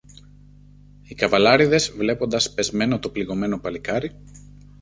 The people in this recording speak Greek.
Οι καβαλάρηδες, βλέποντας πεσμένο το πληγωμένο παλικάρι